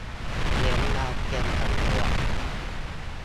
เน้นดาวเทียมสำรวจ